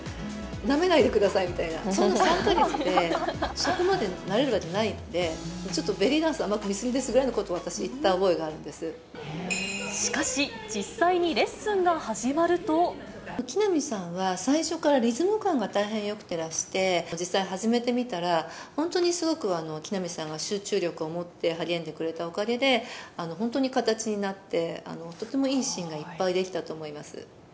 なめないでくださいみたいな、そんな３か月でそこまでなれるわけないんで、ちょっとベリーダンスを甘く見過ぎですぐらいのこと、私、言ったしかし、実際にレッスンが始木南さんは最初からリズム感が大変よくてらして、実際始めてみたら、本当にすごく木南さんが集中力を持って励んでくれたおかげで、本当に形になって、とてもいいシーンがいっぱいできたと思います。